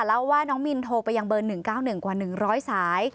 เล่าว่าน้องมินโทรไปยังเบอร์๑๙๑กว่า๑๐๐สาย